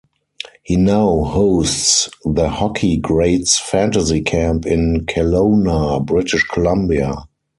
He now hosts the Hockey Greats Fantasy Camp in Kelowna, British Columbia.